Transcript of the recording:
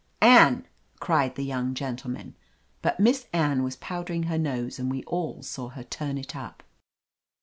"Anne!" cried the young gentleman. But Miss Anne was powdering her nose and we all saw her turn it up.